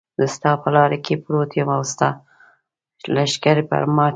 زه ستا په لاره کې پروت یم او ستا لښکرې پر ما تېرېږي.